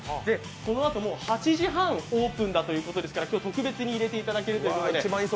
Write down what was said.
このあと８時半オープンだということですから今日は特別に入れていただけるということで。